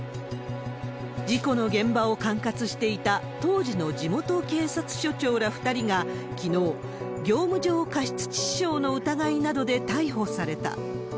事故の現場を管轄していた当時の地元警察署長ら２人が、きのう、業務上過失致死傷の疑いなどで逮捕された。